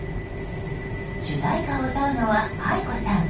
主題歌を歌うのはａｉｋｏさん。